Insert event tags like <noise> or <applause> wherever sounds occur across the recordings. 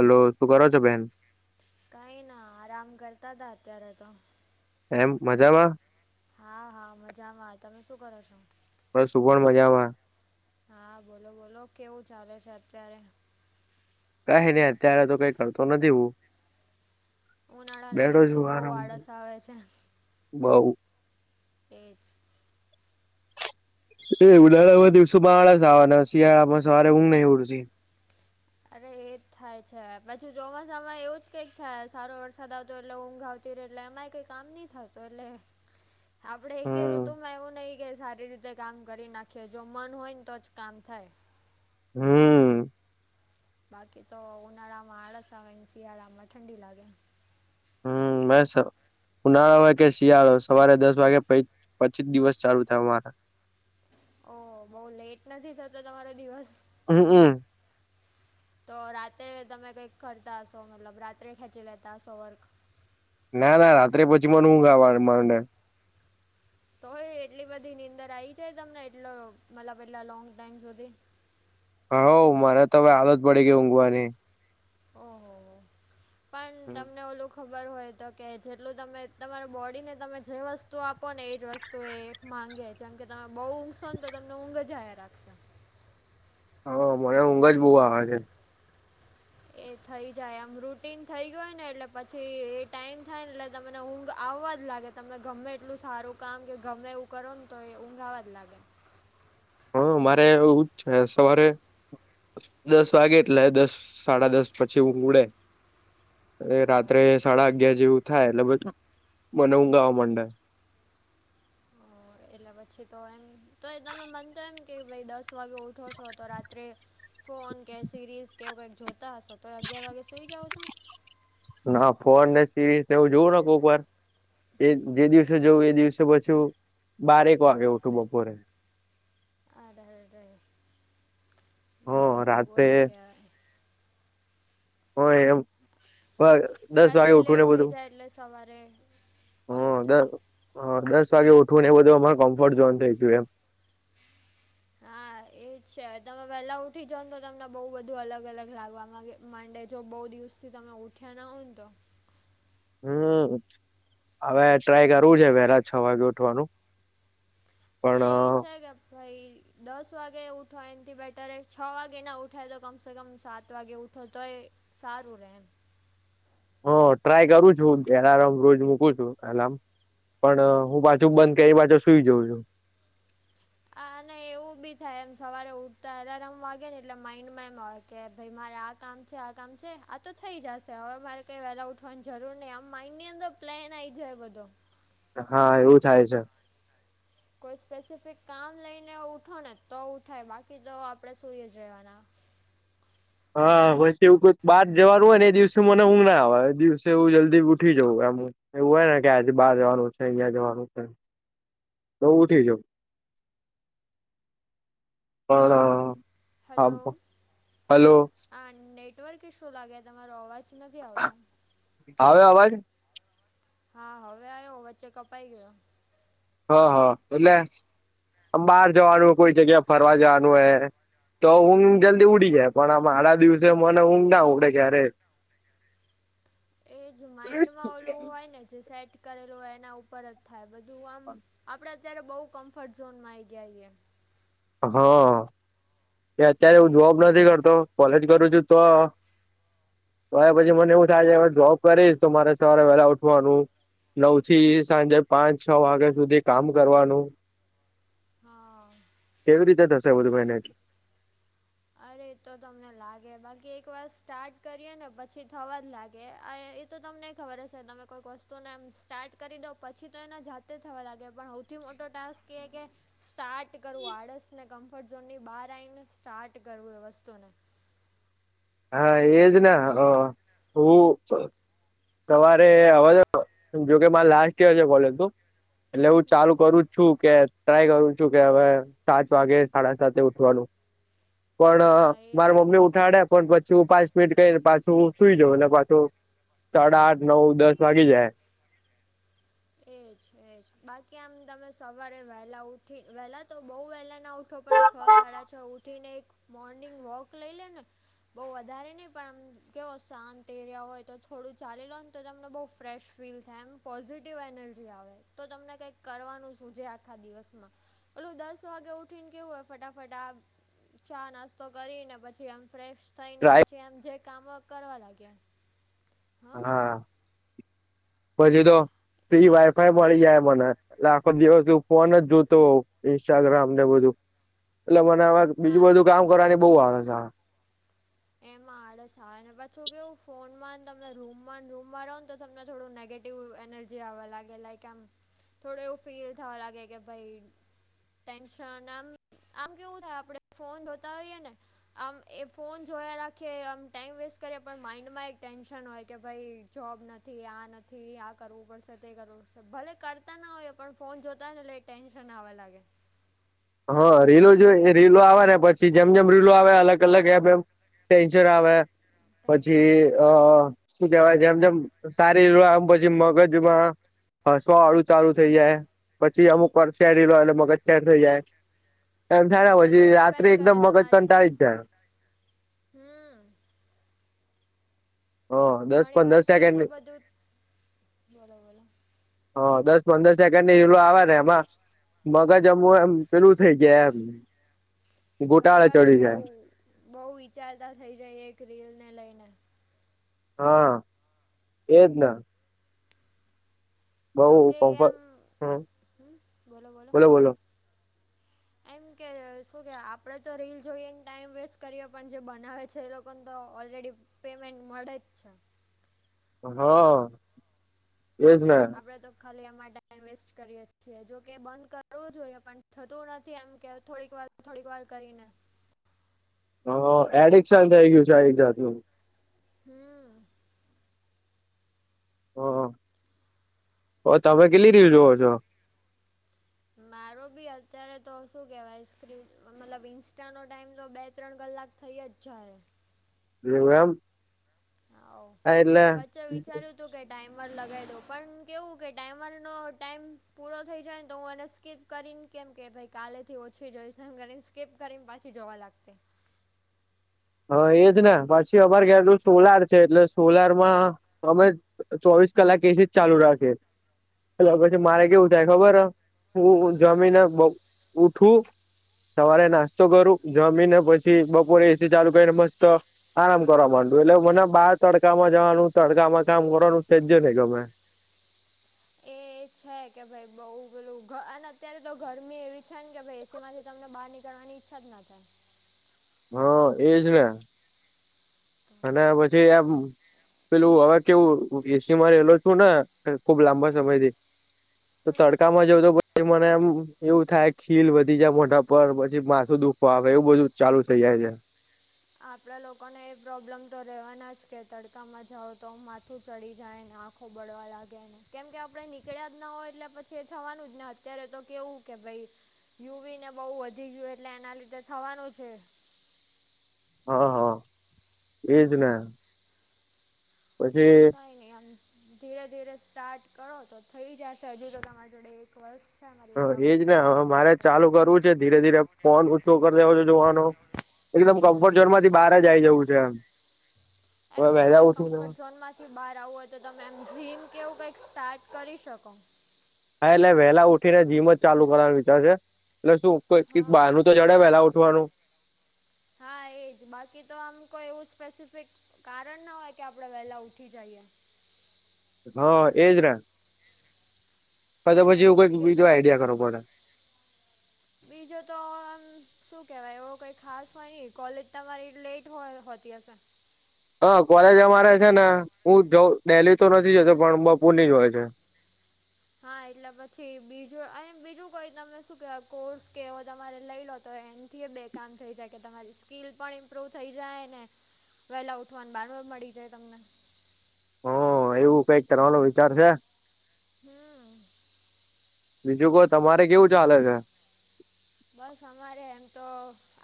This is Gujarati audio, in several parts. હલો શું કરો છો બેન કઈ ના આરામ કરતા હતા અત્યારે તો એમ મજામાં હા હા મજામાં આવે તમે શું કરો છો. પણ શું પણ મજામાં હા બોલો બોલો કેવું ચાલે છે અત્યારે કઈ નઈ અત્યારે તો કઈ કરતો નથી હુ ઉનાળાના છું દિવસોમાં બહુ આરામ આળસ આવે છે, બઉ તેજ એ ઉનાળામાં દિવસોમાંળાસવાના શિયાળામાં સવારે ઊઘ નહ ઉડ અરે એજ થાય છે પછી ચોમાસામાં એવું જ કઈક થાય સારો વરસાદ આવતો એટલે ઊંઘ આવ એટલે એમાંય કઈ કામ નઈ થત એટલે આપડે એક હમ ઋતુમાં એવું નહીિ કે સારી રીતે કામ કરી નાખીએ જો મન હોય ને તો જ કામ થાય. હમ્મ બાકી તો ઉનાળા માં આળસ આવેન શિયાળા માં ઠંડી લાગે. હમ મેસ ઉનાળા હોય કે શિયાળો સવારે દસ વાગે પ પછી જ દિવસ ચાલુ થાયમારા ઓ બહ લેટ નથી થતો તમારો દિવસ હમ્મ હમ્મ તો રાતે તમે કંઈક કરતા હશો મતલબ રાત્રે ખેંચી લેતા હશો વર્ક ના ના રાત્રે પછી મન ઊંઘ આવા મને. તો હવે એટલી બધી નીંદર આવી જાય તમને એટલો મતલબ એટલા લોંગ ટાઈમ સુધી. હવ મને તો હવે આદત પડી ગઈ ઊંઘવાની. ઓહોહો પન તમને ઓલું ખબર હોય તો કે જેટલું તમે તમારા બોડીને તમે જે વસ્તુ આપો ને એ જ વસ્તુ એ માગે ચમ કે તમે બહુ ઊંઘશોને તો તમને ઊંઘ જ આયા રાખશે. હવ મને ઊંઘ જ બહુ આવે છે. એ થઈ જાય આમ રૂટીન થઈ ગય ને એટલે પછી એ ટાઇમ થાય ને એટલે તમને ઊંઘ આવવા જ લાગે. તમે ગમે એટલું સારું કામ કે ગમે એવું કરો ન તો એ ઊંઘ આવવા જ લાગે. હા મારે એવુંજ છે સવારે દસ વાગે એટલે દસ સાડા દસ પછી ઊંઘ ઉડે. એ અ, રાત્રે સાડા અગયાર જેવું થાય એટલે બ મને ઊંઘ આવા મંડે. એટલે પછી તો એમ તો એ તમે મન તો એમ કે ભઈ દસ વાગે ઉઠો છો તો રાત્રે ફોન કે સિરીઝ કેવું કઈક જોતા હશો તો અગિયાર વાગે સુઈ જાવ છો? ના ફોન ને સિરીઝ ને એવું જોવું ન કોકવાર. એ જે દિવસે હમ જવું એ દિવસે પછું બારેક વાગે ઉઠું બપોરે. આ દહે દહે હ રાત્રે હ એમ બ દસ વાગે રાત્રે ઉઠું ને લેટ થઈ બધું જાય એટલે સવારે હ ઓલું જ દ થાય હ દસ વાગે ઉઠવું ને એ બધું અમાર કમ્ફર્ટ ઝોન થઈ ગયું એમ. હા એજ છે તમે વેલા ઉઠી જોઉન તો તમને બહુ બધું અલગ અલગ લાગવા માંગે. મંડે જો બહુ દિવસથી તમે ઉઠ્યા ના હોય ન તો. હમ હવે ટ્રાય કરવું છે વહેલા છ વાગે ઉઠવાનું. પણ હા એ છે ગ ભઈ દસ વાગે ઉઠવા એનથી બેટરે છ વાગે ના ઉઠાય તો કમ સે કમ સાત વાગે ઉઠ ઠું તો એ સારું રે એમ. હ ટ્રાય કરું છું એલારામ રોજ મૂકું છું એલાર્મ. પણ હું પાછુ બંધ કે એ બાછુ સુઈ જઉં છું. આ અને એવું બી થાય એમ સવારે ઉઠતા એલારામ વાગે ને એટલે માઇન્ડમાં એમ હોય કે ભઈ મારે આ કામ છે આ કામ છે આ તો થઈ જશે હવે મારે કઈ વેલા ઉઠવાન જરૂર નહીં આમ માઇન્ડની અંદર પ્લેન આવી જાય બધો. હા એવું થાય છે. કોઈ સ્પેસિફિક કામ લઈને ઉઠો ને તો ઉઠાય બાકી તો આપડે સુઈએ જ રહેેવાના. હા પછી એવું કોઈઈ બાર જવાનું હોય ને એ દિવસે મને ઊઘ ના આવે એ દિવસે એવું જલ્દી ઉઠી જવ આમ. એવું હોય ને કે આજે બાર જવાનું છે અહિયાં જવાનું છે. તો ઉઠી જઉં પણ હલો હલો આ નેટવર્ક ઇશું લાગે તમારો અવાજ નથી આવતો. આવે અવાજ. હા હવે આયો વચ્ચે કપાઈ ગયો. હા હા એટલે આ બહાર જવાનું હો કોઈ જગ્યા ફરવા જવાનું હોય હે. તો ઊંઘ જલ્દી ઉડી જાય પણ આમ આડા દિવસે મને ઊંઘ ના ઉડે ક્યારેય. એજ માઈન્ડમાં ઓલું હોય ને જે સેટ કરેલું હોય એના ઉપર જ થાય બધું આમ આપડે અત્યારે બહુ કમ્ફર્ટ ઝોનમાં આઈ ગ્યા હિયે. હા એ અત્યારે હું એ જ જોબ નથી કરતો કોલેજ કરું છું તો તોય પછી મને એવું થાય છે હ જોબ કરીશ તો મારે સવારે વહેલા ઉઠવાનું. નવ થી સાંજે પાંચ છ વાગ્યા સુધી કામ કરવાનું. હા. કેવી રીતે થસે બધુ મેંનેજ? અરે, એતો તમને લાગે, બાકી એક વાર સ્ટાર્ટ કરીએ ને પછી થવા જ લાગે. આ આ એ તો તમને ખબર હસે, તમે કોઈક વસ્તુને એમ સ્ટાર્ટ કરી દો, પછી તો એના જાતે જ થવા લાગે, પણ હાઉ સૌથી મોટો ટાસ્ક એ, કે સ્ટાર્ટ કરવું. આળસને કમ્ફર્ટ ઝોનની બહાર આઈને સ્ટાર્ટ કરવું એ વસ્તુ ને. હા એજ ના, એ હું સો સવારે હવાજ. જોકે મારે લાસ્ટ યર છે કોલેજ નું, એટલે હું ચાલુ કરું જછું, કે ટ્રાય કરું છું કે હવે. સાત વાગે, સાડા સાતે ઉઠવાનું. પણ હા એ જ મારા મમ્મી ઉઠાડે, પણ પછી હું પાંચ મિનિટ કહી પાછું સુઈ જઉ પાછું. સાડા આઠ નવ દસ વાગી જાય. એજ, એજ. બાકી, આમ તમે સવારે વહેલા ઉઠી વેલા તો બઉ વહેલા ના ઉઠો પણ છ છ, સાડા છ ઉઠીને, એક મોર્નિંગ વોક લઈ લે ને. બહુ વધારે નહીં, પણ આમ કેવો શાંત એરિયા હોય, તો થોડું ચાલી લોન તો તમને બહુ ફ્રેશ ફીલ થાય, એમ પોઝિટિ ટીવ એનર્જી આવે, તો તમને કઈક કરવાનું સુજે આખા દિવસમાં. ઓલું દસ વાગે ઉઠીન કેવું હોય, ફટાફટ આ ચા નાસ્તો કરીને, પછી આમ ફ્રેશ થઈને ટ્રાય પછી આમ જે કામો કરવા લાગીએ. હા, પછી તો ફ્રી એ વાયફાઈ. મળી જાય મને, એટલે આખો દિવસ હું ફોન જ જોતો હોઉ, ઇન્સ્ટાગ્રામ ને બધું. એટલે મને હવે બીજું હા બધું કામ કરવાની બહુ આવે. એમાં આળસ આવે, અને પછું કેવું, ફોનમા ન તમે રૂમ રૂમમાં રહો ન તો તમને થોડું નેગેટી એવું એનર્જી આવવા લાગે, લાઈક આમ, થોડું એવું ફીલ થવા લાગે કે, ભાઈ ટેન્શન, આમ, આમ કેવું થાય, આપણે ફોન જોતા હોઈએ ને આમ એ ફોન જોયા રાખીએ, આમ ટાઈમ વેસ્ટ કરીએ, પણ માઈન્ડમાં એક ટેન્શન હોય કે, ભાઈ, જોબ નથી, આ નથી. થી આ કરવું પડશે, તે કરવું પડશે. ભલે, કરતા ના હોયએ, પણ ફોન જોતા હોય ને એટલે ટેન્શન આવવા લાગે. હા, રીલો, જો રીલો આવે ને, પછી જેમ જેમ રીલો આવે અલગ અલગ એમ એમ ટેન્જર આવે પછી ટેન્શન અ. આવે શું કેવાય છે, જેમ જેમ સારી રિલો આવે પછી મગજમાં હસવા વાળું ચાલું થઇ જાય, પછી અમુક વાર સેડ રીલો આવે, એટલે મગજ સેડ થઈ જાય. એમ એ થાય ને બધું પછી રાત્રે ડિપેન્ડ કરે એકદમ મગજ તમારી કંટાળી જ જાય. હમ. હ, દસ ઘણી વાર પંદર તો એટલું સેકન્ડ બધું બોલો બોલો હ, દસ પંદર સેકન્ડની રીલો આવેને, એમાં મગજ અમું એમ પેલું થઇ જાય એમ, ઘણી ગોટાળે વાર તો ચડી બહુ જાય. બહુ વિચારતા થઇ જાઇએ, એક રીલ ને લઈને. હા, એજ ના. જોકે કમ્ફર્ટ એમ, હમ હ, બોલો, બોલો. એમ કે, શું કેવાય આપણે તો રીલ જોઈએન ટાઈમ વેસ્ટ કરીએ, પણ જે બનાવે છે એ લોકોને તો ઓલરેડી પેમેન્ટ મળે જ છે હા, એજ ને! આપણે તો ખાલી એમાં ટાઈમ વેસ્ટ કરીએ છીએ, જોકે બંધ કરવું જોઈએ, પણ થતું નથી એમ કે થોડીક વાર થોડીક વાર કરીને. હ એડિક્શન થઇ ગયું છે આ એક જાત નું. હું. હ, હ, તમે કેટલી રીલ જુવો છો? મારો બી અત્યારે તો શું કેહેવાય, સ્ક્રીન મતલબ ઈઇન્સ્ટાનો ટાઈમ તો બે ત્રણ કલાક થઈ અજ જાય. થ્યુ એમ? હો હા એટલે વચે વિચાર્યું. તુ કે ટાઈમર લગાવી દઉં પણ કેવું કે ટાઈમરનો ટાઈમ પૂરો થઈ જાય ને તો હું અનેને સ્કીપ કરીને કેમ કે ભાઈ કાલેથી ઓછી જોઈશ એમ કરીને સ્કીપ કરીને પાછી જોવા લાગતી. હા એજને પછી અમારે ઘેરનો સોલાર છે એટલે સોલાર માં અમે. ચોવીસ કલાક એસી જ ચાલુ રાખે એટલુ પછી અ, મારે કેવું થાય ખબર હ. હું જમીને બ ઉઠું. સવારે નાસ્તો કરું જમીને પછી બપોરે એસી ચાલુ કરીને મસ્ત આરામ કરવા માંડું એટલે મને બાર તડકામાં જવાનું તડકામાં કામ કરવાનું સેજે ન‌ઇ ગમે. એ છે કે ભાઈ બઉ પેલું અને અત્યારે તો ગરમી એવી છે ને કે ભાઈ. તેમાંથી તમને બહાર નીકળવાની ઈચ્છા જ ના થાય. હા એજને. અને પછી એમ. પેલું હવે કેવું એસી માં રહેલો છું ને ખુબ લાંબા સમય થાય થી તો તડકામાં જ. તો પછે મને એમ એવું થાય ખીલ વધી જાય મોઢા પર પછી માથું દુઃખ હ હવે એવું બધુ ચાલુ થઈ જાય છે. આપણા લોકોને એ પ્રોબ્લેમ તો રહેવાના જ કે તડકામાં જાવ તો માથું ચડી જાય ને આમ. ખોબડવા લાગે એને કેમ કે આપડે નીકળ્યા જ ના હોય એટલે પછી એ થવાનું જ ને અત્યારે તો કેવું કે ભાઈ યુવી ને બહુ વધી ગયું એટલે એના લીધે થવાનું છે. હા હા ઇજ ને પછી. કંઈ નહીં આમ ધીરે ધીરે સ્ટાર્ટ કરો તો થઈ જશે હજુ તો તમારી જોડે એક વર્ષ મતલબ આ એજ ને જોબ મારે ચાલુ કરવું મારે છે ધીરે ચાલુ <inaudible> ધીરે કરવું છેરે ફોન ફ ઓછો કરી દેવો છે જોવાનો એકદમ કમ્ફર્ટ ઝોન માંથી બહાર જ આવી જવું છે એમ. હવે એમ વહેલા તમારે ઉઠીને કમ્ફર્ટ હા ઝોન માં. કે બહાર આવવું હોય તો તમે એમ જીમ કેવું કંઈક સ્ટાર્ટ કરી શકો. હા એટલે વહેલા ઉઠી ને જીમ જ ચાલુ કરવાનું વિચાર છે એટલે શું કો‌ઇ કઈ હા બાર. તો જડે પેલા ઉઠવાનું. હા એજ બાકી તો આમ કોઈ એવું સ્પેસિફિક. કારણ ના હોય કે આપણે વહેલા ઉઠી જઈએ. હા એજ ને. ક તો અને પછી એવું કઈક કે બીજું તમ આઈડિયા કરવો પડે. બીજું તો આમ શું કહેવાય એવો કંઈ ખાસ હોય નહીં કોલેજ તમારી લેટ હોય હોતી હશે. હ કોલેજ અમારે છે ને હું જઉં દેલી તો નથી જતો પણ બપોર ની જ હોય છે હા એટલે પછી બીજું આએમ બીજું કોઈ તમે શું કેવાય કોર્સ કે એવો તમારે લઈ લો. તો એમથી બે કામ થઈ જાય કે તમારી સ્કીિલ પણ ઇમ્પ્રૂવ થઈ જાય ને. વહેલા ઉઠવાને બાનુ મળી જાય તમને હા એવું કઈક કરવાનો વિચાર છે. હું. બીજું કો તમારે કેવું ચાલે છે. બસ અમારે એમ તો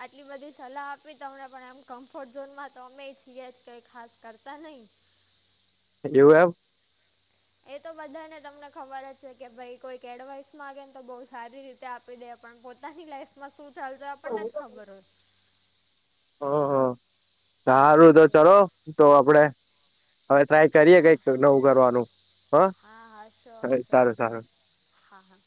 આટલી બધી સલાહ આપી તમને પણ એમ કમ્ફર્ટ ઝોનમાં તો અમે જ. કિ આજ ક‌ઇ ખાસ કરતા નહીં. એવું એમ. એ તો બધાને તમને ખબર જ છે. કે ભાઈ કોઈક એડવાઈસ માંગે ને તો બહુ સારી રીતે આપે. આપી દે પણ પોતાની લાઈફમાં શું ચાલશે આપને નથી ખબર હોએ. હ હ સારું તો એ ચલો તો આપડે. હવે ટ્રાય કરીએ હા કઈક નવું કરવાનું હ હા હા શ્યોર હવે શ્યોર સારું સારું હા હા